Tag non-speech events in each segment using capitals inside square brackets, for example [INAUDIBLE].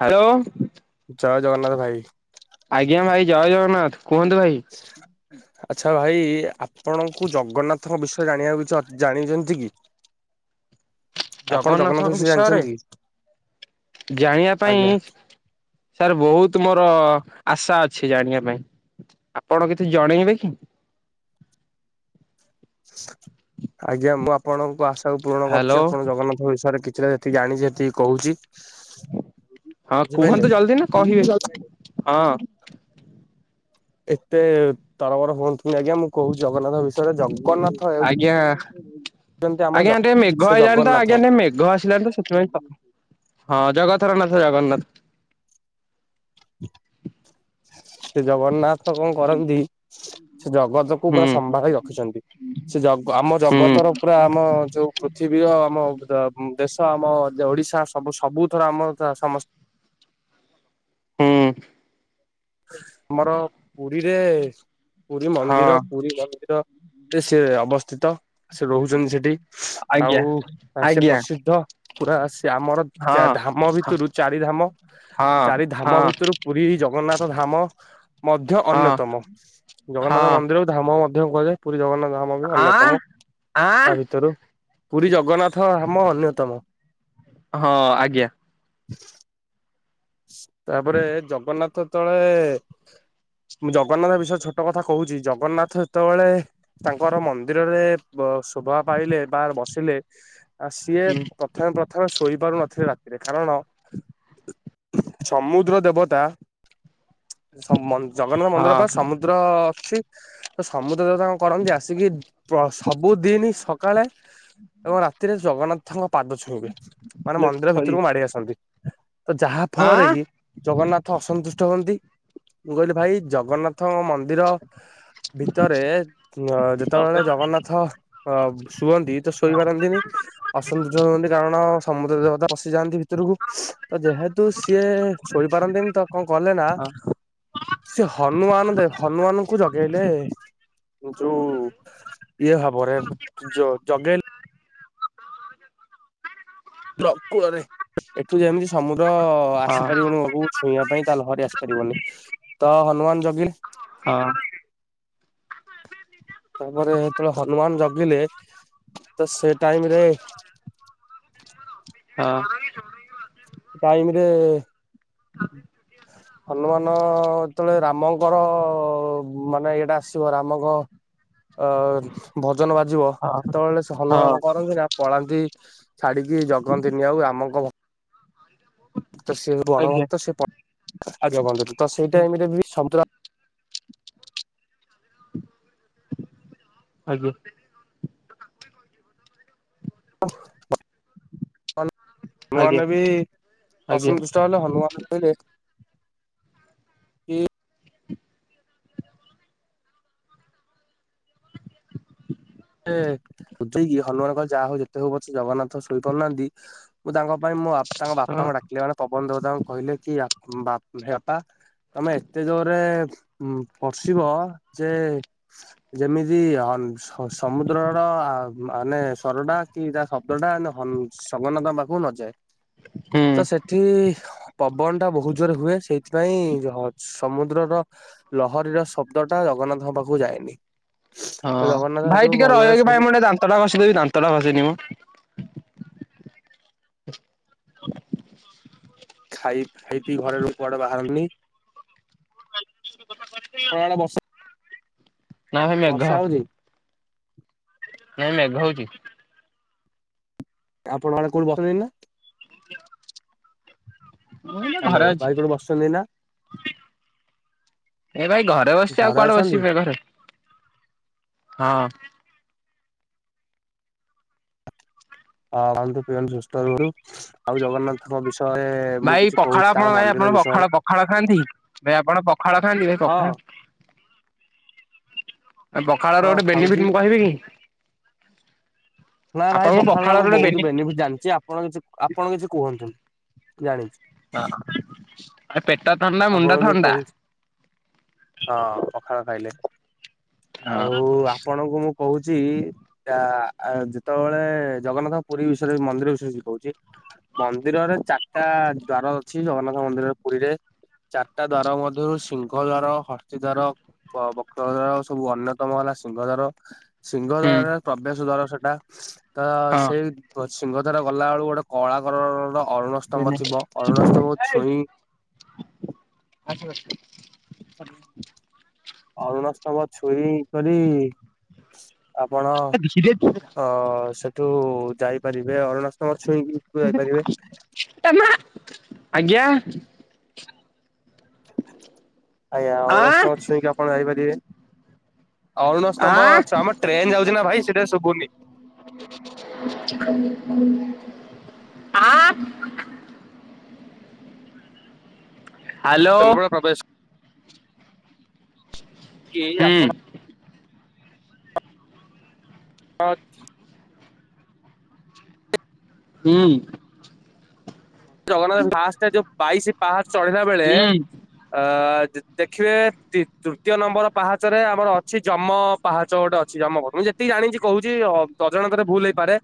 Hello. ଜୟ ଜଗନ୍ନାଥ ଭାଇ। ଆଜ୍ଞା ଭାଇ, ଜୟ ଜଗନ୍ନାଥ କୁହନ୍ତୁ ଭାଇ। ଆଚ୍ଛା ଭାଇ ଆପଣଙ୍କୁ ଜଗନ୍ନାଥଙ୍କ ବିଷୟରେ ଜାଣିବାକୁ କିଛି ଜାଣିଛନ୍ତି କି? ଆପଣ ଜଗନ୍ନାଥ ଜଗନ୍ନାଥଙ୍କ ବିଷୟରେ ଜାଣିଛନ୍ତି କି? ଜାଣିଆ ପାଇଁ ଆଜ୍ଞା ସାର୍ ବହୁତ ମୋର ଆଶା ଅଛି ଜାଣିଆ ପାଇଁ, ଆପଣ କିଛି ଜଣେଇବେ କି? ଆଜ୍ଞା ମୁଁ ଆପଣଙ୍କୁ ଆଶାକୁ ପୂରଣ ହ୍ୟାଲୋ କରୁଛି ଆପଣ ଜଗନ୍ନାଥଙ୍କ ବିଷୟରେ କିଛିଟା ଯେତିକି ଜାଣିଛି ସେତିିକି କହୁଚି। ହଁ କୁହନ୍ତୁ ଜଲଦି ନା କହିବେ ହଁ। ଏତେ ତରବର ହୁଅନ୍ତୁନି ଆଜ୍ଞା ମୁଁ କହୁଛି ଜଗନ୍ନାଥ ବିଷ ଆଜ୍ଞା। ହେଉଛନ୍ତି ଆମ ଜ ଆଜ୍ଞା ଟିକେ ମେଘ ସେ ଆଇଲାଣି ତ ଜଗନ୍ନାଥ ଆଜ୍ଞା ଟିକେ ମେଘ ଆସିଲାଣି ତ ସେଥିପାଇଁ ହଁ ଜଗଥର ନାଥ ଜଗନ୍ନାଥ। ସେ ଜଗନ୍ନାଥ କଁ କରନ୍ତି ସେ ଜଗତକୁୁ ପୁରା ହୁଁ ସମ୍ଭାଳି ରଖିଛନ୍ତି। ସେ ଜଗ ଆମ ହୁଁ ଜଗତର ପୁରା ଆମ ଯୋଉ ପୃଥିବୀର ଆମ ଦେଶ, ଆମ ଓଡ଼ିଶା ସବୁ ସବୁଥର ଆମର ସମ ହୁଁ। ଆମର ପୁରୀରେ ପୁରୀ ମନ୍ଦିର, ହଁ ପୁରୀ ମନ୍ଦିର ସେ ଅବସ୍ଥିତ, ସେ ରହୁଛନ୍ତି ସେଠି ଆଉ ଆଜ୍ଞା ସେ ଆଜ୍ଞା ପ୍ରସିଦ୍ଧ ପୁରା ସେ ଆମର ଚା ହଁ ଧାମ ଭିତୁରୁ ଚାରି ଧାମ, ହଁ ଚାରି ହଁ ଧାମ ଭିତୁରୁ ପୁରୀ ଜଗନ୍ନାଥ ଧାମ ମଧ୍ୟ ହଁ ଅନ୍ୟତମ, ଜଗନ୍ନାଥ ହଁ ମନ୍ଦିର ଧାମ ମଧ୍ୟ କୁହାଯାଏ, ପୁରୀ ଜଗନ୍ନାଥ ଧାମ ବି ଆଁ ଅନ୍ୟତମ ଆଁ ତା ଭିତରୁ। ପୁରୀ ଜଗନ୍ନାଥ ଧାମ ଅନ୍ୟତମ। ହଁ ଆଜ୍ଞା। ତାପରେ ଜଗନ୍ନାଥ ତଳେ ମୁଁ ଜଗନ୍ନାଥ ବିଷୟରେ ଛୋଟ କଥା କହୁଚି ଜଗନ୍ନାଥ ଯେତେବେଳେ ତାଙ୍କର ମନ୍ଦିରରେ ଶୋଭା ପାଇଲେ ବା ବସିଲେ। ଆ ସିଏ ପ୍ରଥମେ ପ୍ରଥମେ ଶୋଇ ପାରୁନଥିଲେ ରାତିରେ, କାରଣ ସମୁଦ୍ର ଦେବତା ଜଗନ୍ନାଥ ମନ୍ଦିର ହଁ ପା ସମୁଦ୍ର। ସମୁଦ୍ର ଅଛି ତ ସମୁଦ୍ର ତ ତାଣ କରନ୍ତି ଆସିକି ସବୁଦିନି। ସକାଳେ ଏବଂ ରାତିରେ ଜଗନ୍ନାଥ। ତାଙ୍କ ପାଦ ଛୁଇଁବେ ମାନେ ମନ୍ଦିର ଭିତରକୁ ମାଡି ଆସନ୍ତି ତ ଯାହା ଫଳରେ କି ଜଗନ୍ନାଥ ଅସନ୍ତୁଷ୍ଟ ହୁଅନ୍ତି ମୁଁ କହିଲି ଭାଇ ଜଗନ୍ନାଥ ପ୍ରଥମ ମନ୍ଦିର ଭିତରେ ଯେତେବେଳେ ଜଗନ୍ନାଥ ଥ ଅ ଶୁଅନ୍ତି ତ ଶୋଇପାରନ୍ତିନି। ଅସନ୍ତୁଷ୍ଟ ହୁଅନ୍ତି କାରଣ ସମୁଦ୍ର ଦେବତା ବସିଯାଆନ୍ତି ଭିତରକୁ ତ ଯେହେତୁ କିନ୍ତୁ ସିଏ ଇ ପାରନ୍ତିନି ତ କଣ କଲେ ନା ସେ ହନୁମାନ ଦେ ହନୁମାନଙ୍କୁ ଜଗେଇଲେ ଯୋଉ ଇଏ ଭାବରେ ଜଗେଇଲେ। ପ୍ରକୂଳରେ ଏଠୁ ଯେମିତି ସମୁଦ୍ର ଆସିପାରିବନି ଲୋକ ଛୁଇଁବା ପାଇଁ ତା ଲହରି ଆସିପାରିବନି ତ ହନୁମାନ ଯଗେଇଲେ। ହଁ। ତାପରେ ଯେତେବେଳେ ହନୁମାନ ଜଗିଲେ ତ ସେ ଟାଇମ ରେ ହଁ। ଟାଇମରେ ହନୁମାନ ଯେତେବେଳେ ରାମଙ୍କର ମାନେ ଏଇଟା ଆସିବ ରାମଙ୍କ ଅ ଭଜନ ବାଜିବ ସେତେବେଳେ ସେ ହନୁମାନ କଣ କରନ୍ତି ନା ପଳାନ୍ତି ଛାଡିକି ଜଗନ୍ତିନି ଆଉ ରାମଙ୍କ ତ ସିଏ ବଡ ଭକ୍ତ ସେ ତ ସେଇଟା ଏମିତି ସନ୍ତୁଳ ଆଜ୍ଞା। ଆଜ୍ଞା ହନୁମାନ ବି ଆଜ୍ଞା ଅସନ୍ତୁଷ୍ଟ ଚ ହେଲେ ହନୁମାନ କହିଲେ କି ବୁଝେଇକି ହନୁମାନଙ୍କ ଯାହା ହଉ ଯେତେ ହଉ ବ ଜଗନ୍ନାଥ ଶୋଇ ପାରୁନାହାନ୍ତି। ମୁଁ ତାଙ୍କ ପାଇଁ ମୁଁ ତାଙ୍କ ହଁ ବାପାଙ୍କୁ ଡାକିଲେ ମାନେ ପବନ ଦେବତାଙ୍କୁ କହିଲେ କି ହେ ବାପା ତମେ ଏତେ ଜୋରରେ ପର୍ସିବ ଯେ ଯେମିତି ସମୁଦ୍ରର ମାନେ ସରଟା କି ତା ଶବ୍ଦଟା ଶବନ ତମ ପାଖକୁ ନଯାଏ ହୁଁ ତ ସେଠି ପବନ ଟା ବହୁତ ଜୋରେ ହୁଏ ସେଇଥିପାଇଁ ସମୁଦ୍ରର ଲହରୀର ଶବ୍ଦ ଟା ଜଗନ୍ନାଥଙ୍କ ପାଖକୁ ଯାଏନି ତ ହଁ ଜଗନ୍ନାଥ ଭାଇ ସେଠୁ ଟିକେ ଭଲରେ ରହିବେ କି ଭାଇ ଶୋଇଲେ ମୁଁ ଦାନ୍ତଟା ଘସିଦେବ ଦାନ୍ତର ଘସିନି ମ। ଖାଇ ଖାଇ ପିଇ ଘରେ ର କୁଆଡେ ବାହାରନି ଆପଣଙ୍କ ଆଡେ ନା ଭାଇ ମେଘ। ବର୍ଷା ହଉଛି ନାଇଁ ମେଘ ହଉଛି। ଆପଣ ମାନେ କଉଠି [UNINTELLIGIBLE] ମୁଁ ଏଇନା ହାଲୋ ଘରେ ଅଛି ଭାଇ କୋଉଠି ବସିଛନ୍ତି ଏଇନା? ଏ ଭାଇ ଘରେ ବସିଛି ଆଉ କୁଆଡେ ବସିବ ଘରେ ହଁ। ହଁ ଖାଆନ୍ତୁ ପିଅନ୍ତୁ ସୁସ୍ଥ ରହୁ ଆଉ ଜଗନ୍ନାଥଙ୍କ ବିଷୟରେ ମୁଁ ଭାଇ କିଛି କହୁଛି ପଖାଳ ଆପଣ ତାଙ୍କ ଭାଇ ଆପଣ ମନ୍ଦିର ବିଷୟରେ। ପଖାଳ ପଖାଳ ଖାଆନ୍ତି ଭାଇ ଆପଣ ପଖାଳ ଖାଆନ୍ତି ଭାଇ ହଁ ପଖାଳ ପଖାଳ ର ହଁ ଗୋଟେ ଖାଉଛି ବେନିଫିଟ ମୁଁ କହିବି କି? ନା ଭାଇ ଆପଣଙ୍କୁ ପଖାଳ ପଖାଳର ମୁଁ ଗୋଟେ ବହୁତ ବେନିଫିଟ ଜାଣିଛି ଆପଣ କିଛି ଆପଣ କିଛି କୁହନ୍ତୁନି ଜାଣିଛି। ହଁ। ଆ ପେଟା ତମ ଆପଣ ମୁଁ କହୁଛି ହଁ ପଖାଳ ଖାଇଲେ। ଆଉ ଆପଣଙ୍କୁ ମୁଁ କହୁଛି ଯେତେବେଳେ ଜଗନ୍ନାଥ ପୁରୀ ବିଷୟରେ ମନ୍ଦିର ବିଷୟରେ ଶିଖଉଛି ମନ୍ଦିରରେ ଚାରିଟା ଦ୍ଵାର ଅଛି ଜଗନ୍ନାଥ ମନ୍ଦିର ପୁରୀରେ। ଚାରଟା ଦ୍ୱାର ମଧ୍ୟରୁ ସିଂହ ଦ୍ୱାର ହର୍ସ୍ଥି ଦ୍ଵାର ପ ବକ ଧର ସବୁ ଅନ୍ୟତମ ହେଲା ସିଂହ ଦ୍ୱାର। ସିଂହ ହୁଁ ଦ୍ୱାରରେ ପ୍ରବେଶ ଦ୍ଵାର ସେଟା ତ ହଁ। ସେଇ ସିଂହଦାର ଗଲା ବେଳକୁ ଗୋଟେ କଳାକଲରର ଅରୁଣ ସ୍ତମ୍ବ ଥିବ ଅରୁଣ ସ୍ତମ୍ବକୁ ଛୁଇଁ ଆଛି ବାସି। [INAUDIBLE] ଅରୁଣ ସ୍ତମ୍ବ ଛୁଇଁ କରି ଆପଣ ଧୀରେ ଅ ତୁ ଯାଇପାରିବେ ଅରୁଣ ସ୍ତମ୍ବ ଛୁଇ ଆଜ୍ଞା। ଆଜ୍ଞା ଅରୁଣ ଆଁ ସ୍ତମ୍ଭ ଛୁଇଁକି ଆପଣ ଯାଇପାରିବେ ଅରୁଣ ସ୍ତମ୍ବ ଆଁ ଛା ଟ୍ରେନ ଯାଉଚି ନା ଭାଇ ସେଟା ଶୁଭୁନି। ଆ ହାଲୋ। କେନ୍ଦ୍ରାପଡ଼ା ପ୍ରବେଶ କେ ଏଇ ହୁଁ ଆପଣ ହଁ। ହୁଁ। ଜଗନ୍ନାଥ ଫାଷ୍ଟ ଜଉ ବାଇଶି ପାହାଚ ଚଢ଼ିଲା ବେଳେ ହୁଁ ଅ ଜ ଦେଖିବେ ତି ତୃତୀୟ ନମ୍ବର ପାହାଚରେ ଆମର ଅଛି ଯମ ପାହାଚ ଗୋଟେ ଅଛି ଯମ କର ମୁଁ ଯେତିକି ଜାଣିଚି କହୁଚି ଅ ତତ୍ ଜଣାତରେ ଭୁଲ ହେଇପାରେ।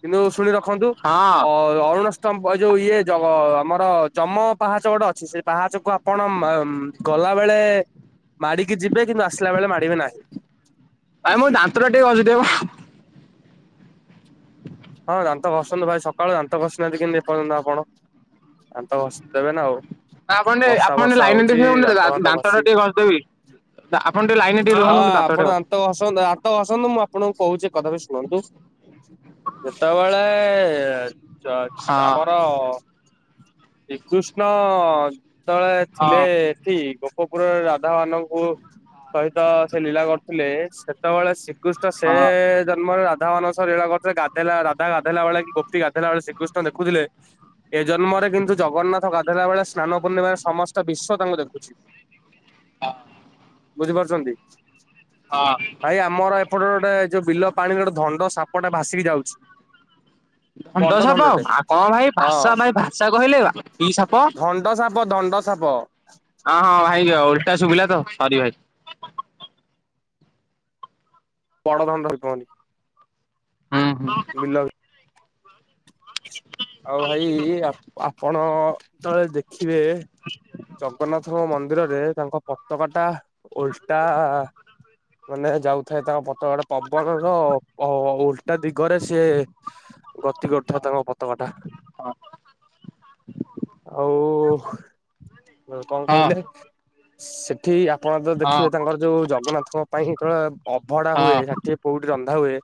କିନ୍ତୁ ଶୁଣି ରଖନ୍ତୁ ହଁ ଅ ଅରୁଣାସ୍ତମ୍ବ ହେ ଯୋଉ ଇଏ ଯ ଆମର ଯମ ପାହାଚ ଗୋଟେ ଅଛି ସେ ପାହାଚକୁ ଆପଣ ମ ଗଲା ବେଳେ ମାଡିକି ଯିବେ କିନ୍ତୁ ଆସିଲା ବେଳେ ମାଡ଼ିବେ ନାହିଁ। ଭାଇ ମୁଁ ଦାନ୍ତ ଟା ଟିକେ ଘଷି ଦିଏ ମ। ହଁ ଦାନ୍ତ ଘସନ୍ତୁ ଭାଇ ସକାଳୁ ଦାନ୍ତ ଘସିନାହାନ୍ତି କେମିତି ଏ ପର୍ଯ୍ୟନ୍ତ ଆପଣା ଦାନ୍ତ ଦେବେ ନା ଆଉ ଆପଣ ଟିକେ ବର୍ଷା ଆପଣ ଟିକେ ବର୍ଷା ଲାଇନରେ ହଉଛି ଥିବେ ମୁଁ ଟିକେ ଦା ଫାନ୍ତ ଦାନ୍ତ ଘଷି ଟା ଟିକେ ଘସିଦେବି। ତ ଆପଣ ଟିକେ ଲାଇନ ଟିକେ ରୁହନ୍ତୁ ମୁଁ ଦାନ୍ତ ଟା ହ ହସନ୍ତ ଆାତ ହସନ୍ତ ମୁଁ ଆପଣଙ୍କୁ କହୁଛି କଥା ବିି ଶୁଣନ୍ତୁ ଟିକେ। ଯେତେବେଳେ ଚ ହଁ ଆମର ଶ୍ରୀକୃଷ୍ଣ ଯେତଳେ ଥିଲେ ହଁ ଏଠି ଗୋପପୁରରେ ରାଧା ମାନଙ୍କୁ ସହିତ ସେ ଲୀଳା କରିୁଥିଲେ ସେତେବେଳେ ସେ ଶ୍ରୀକୃଷ୍ଣ ସେ ହଁ। ଜନ୍ମରେ ରାଧା ମାନଙ୍କ ସହ ଲୀଳା କରୁଥିଲେ। ଗାଧଲା ରାଧା ଗାଧେଇଲା ବେଳେ କି ଗୋପି ଗାଧେଇଲା ବେଳେ ଶ୍ରୀକୃଷ୍ଣ ଦେଖୁଥିଲେ ଏ ଜନ୍ମରେ କିନ୍ତୁ ଜଗନ୍ନାଥ ହେଲାବେଳେ ସ୍ନାନ ପୂର୍ଣ୍ଣିମାରେ ସମସ୍ତ ବିଶ୍ୱ ତାଙ୍କୁ ଦେଖୁଛି। ବୁଝିପାରୁଛନ୍ତି। ହଁ। ଭାଇ ଆମର ଏପଟରେ ଗୋଟେ ଯୋଉ ବିଲ ପାଣିରେ ଗୋଟେ ଧଣ୍ଡ ସାପଟା ଭାସିକି ଯାଉ ଧଣ୍ଡ ସାପ ଧଣ୍ଡଟେ ଆ ଙ୍କ ଭାଇ ହଁ ଭାସା ଭାଇ ଭାସା କହିଲେ କି ସାପ ଦଣ୍ଡ ସାପ ଦଣ୍ଡ ସାପ। ହଁ ହଁ ଭାଇ ଓଲଟା ଶୁଭିଲା ତ ସରି ଭାଇ। ବଡ ଧଣ୍ଡ ସାପ। ଉଁ। ମି ଆଜ [INAUDIBLE] ଆଉ ଭାଇ ଆ ଆପଣ ଥରେ ଦେଖିବେ ଜଗନ୍ନାଥଙ୍କ ମନ୍ଦିରରେ ତାଙ୍କ ପତକା ଟା ଓଲଟା ମାନେ ଯାଉଥାଏ ତାଙ୍କ ପତକାଟା ପବନର ଅ ଉଲଟା ଦିଗରେ ସିଏ ଗତି କରୁଥାଏ ତାଙ୍କ ପତକା ଟା। ହଁ। ଆଉ କଣ ହଁ କହିଲେ ସେଠି ଆପଣ ତ ହଁ ଦେଖିବେ ତାଙ୍କର ଯୋଉ ଜଗନ୍ନାଥଙ୍କ ପାଇଁ ଯେତେବେଳେ ଅବଢା ହୁଏ ହଁ ରା କୋଉଠି ରନ୍ଧା ହୁଏ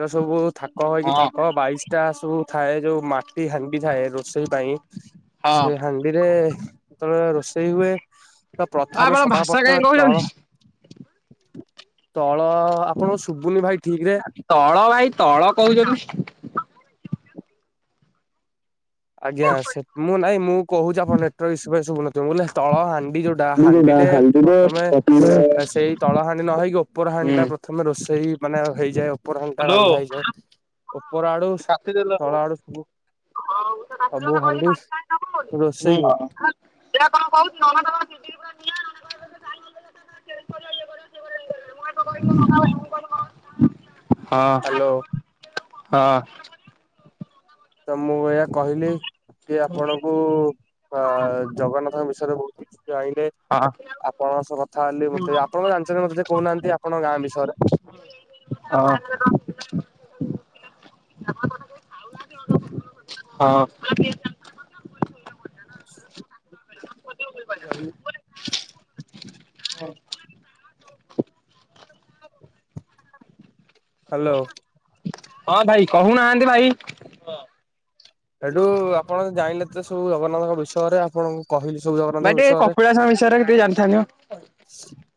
ତ ସବୁ ଥାକ ହେଇକି ହଁ ଥାକ ବାଇଶି ଟା ସବୁ ଥାଏ ଯୋଉ ମାଟି ହାଣ୍ଡି ଥାଏ ରୋଷେଇ ପାଇଁ ହଁ ସେ ହା ସେଥିରେ ରୋଷେଇ ହୁଏ ତ ପ୍ରଥମେ ଆପଣ ସଭା ଭାଷା ପ୍ରଥମେ କାହିଁ ତଳ କହୁଛନ୍ତି ତଳ ଆପଣ ଶୁଭୁନି ଭାଇ ଠିକ ରେ ତଳ ଭାଇ ତଳ କହୁଚ ଆଜ୍ଞା ସେ ମୁଁ ନାଇଁ ମୁଁ କହୁଚି ଆପଣ ନେଟ ଶୁବୁନଥିବ ବ ତଳ ହାଣ୍ଡି ଯୋଉ ହୁଁ। ହ୍ୟାଲୋ ହାଣ୍ଡିରେ ପ୍ରଥମେ ସେଇ ତଳ ହାଣ୍ଡି ନ ହେଇକି ଉପର ହାଣ୍ଡି ଟା ପ୍ର ପ୍ରଥମେ ରୋଷେଇ ମାନେ ହେଇଯାଏ ଓପର ହାଣ୍ଡିଟା ରନ୍ଧା ହେଇଯାଏ। ଉପର ଆଡୁ କାଟିଦେଲ ହୁଁ ତଳ ଆଡୁ ସବୁ ସବୁ ହାଣ୍ଡି [UNINTELLIGIBLE] ରୋଷେଇ ହଉ ହୁଁ। ସେଟା କଣ [UNINTELLIGIBLE] [UNINTELLIGIBLE] ହ୍ୟାଲୋ। ହଁ। ତ ମୁଁ ଏଇଆ କହିଲି କି ଆପଣଙ୍କୁ ଅ ଜଗନ୍ନାଥଙ୍କ ବିଷୟରେ ବୋହୁତ କିଛି ଜାଣିଲେ ଆପଣଙ୍କ ସହ କଥା ହେ ମତେ ଆପଣ ଜାଣିଚନ୍ତି ମତେ ସେଏ କହୁନାହାନ୍ତି ଆପଣଙ୍କ ଗାଁ ବିଷୟରେ [UNINTELLIGIBLE] ହଁ। ଆଉ ହ୍ୟାଲୋ। ହଁ ଭାଇ କହୁନାହାନ୍ତି କି ସେଠୁ ଆପଣ ଜାଣିଲେ ତ ସବୁ ଜଗନ୍ନାଥଙ୍କ ବିଷୟରେ ଆପଣଙ୍କୁ କହିଲି ସବୁ ଭାଇ ଜଗନ୍ନାଥଙ୍କ ଟିକେ ବିଷୟରେ। କପିଳାସ ବିଷୟରେ ଟିକେ ଜାଣିଥାନ୍ତି ମ।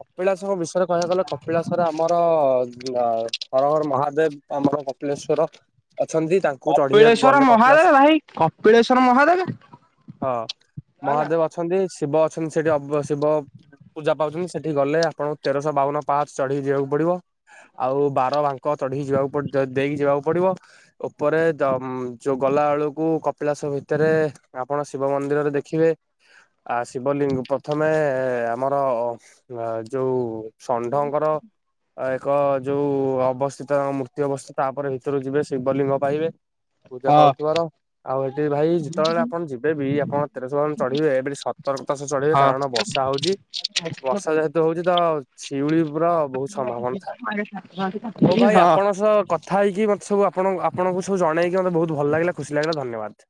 କପିଳାସଙ୍କ ବିଷୟରେ କହିବାକୁ ଗଲେ କପିଳାସରେ ଆମର ହର ଘର ମହାଦେବ ଆମର କପିଳେଶ୍ଵର ଅଛନ୍ତି ତାଙ୍କୁ ଚଢିବାକୁ ଗଲେ ଏ କପିଳାସ ଭାଇ କପିଳେଶ୍ଵର ହଁ ମହାଦେବ ମହାଦେବ ଅଛନ୍ତି ଶିବ ଅଛନ୍ତି ସେଠି ଅବ ଶିବ ପୂଜା ପାଉଛନ୍ତି ସେଠି ଗଲେ ଆପଣଙ୍କୁ ତେରଶହ ବାଉନ ପାଞ୍ଚ ଚଢ଼େଇି ଯିବାକୁ ପଡିବ। ଆଉ ବାର ବାଙ୍କ ଚଢିକି ଯିବାକୁ ପଡ ଦେଇକି ଯିବାକୁ ପଡିବ ଉପରେ ଜ ଯୋଉ ଗଲା ବେଳୁକୁ କପିଳାସ ଭିତରେ ଆପଣ ଶିବ ମନ୍ଦିରରେ ଦେଖିବେ। ଆ ଶିବଲିଙ୍ଗ ପ୍ରଥମେ ଆମର ଯୋଉ ଷଣ୍ଢଙ୍କର ଏକ ଯୋଉ ଅବସ୍ଥିତ ମୂର୍ତ୍ତି ଅବସ୍ଥିତ ତାପରେ ଭିତରୁ ଯିବେ ଶିବଲିଙ୍ଗ ପାଇବେ। ପୂଜା ହଁ ପାଉଥିବାର ଆଉ ସେଠି ଭାଇ ଯେତେବେଳେ ଆପଣ ଯିବେ ବିି ଆପଣ ତେରଣ ଚଢିବେ ସ ତର୍କ ଚାଷ ହଁ। ଚଢ଼ିବେକାରଣ ବର୍ଷା ହୋଉଚି। ବର୍ଷା ଯେହେତୁ ହୋଉଚି ତ ଶିଉଳି ପୁର ବୋହୁତ ସମ୍ଭାବନା ଥାଏ। ଓ ଭାଇ ହଁ। ଆପଣଙ୍କ ସହ କ ଥାଇକି ମତେ ସବୁ ଆପଣ ଆପଣଙ୍କୁ ସବୁ ଜଣାଇକି ମୋତେ ବୋହୁତ ଭଲ ଲାଗିଲା ଖୁସି ଲିଲ ଧନ୍ୟବାଦ।